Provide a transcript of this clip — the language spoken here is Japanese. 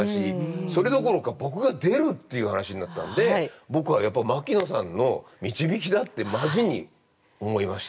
それどころが僕が出るっていう話になったんで僕はやっぱり牧野さんの導きだってマジに思いました。